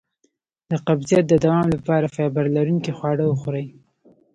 د قبضیت د دوام لپاره فایبر لرونکي خواړه وخورئ